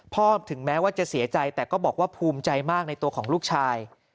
ถึงแม้ว่าจะเสียใจแต่ก็บอกว่าภูมิใจมากในตัวของลูกชาย